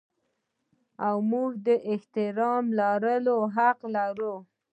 موږ د احترام لرلو حق لرو.